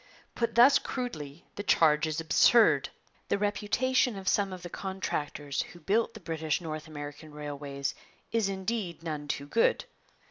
Put thus crudely the charge is absurd. The reputation of some of the contractors who built the British North American railways is indeed none too good.